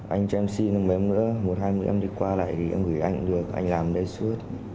anh cho em xin em bảo em nữa một hai mươi em đi qua lại thì em gửi anh được anh làm đây suốt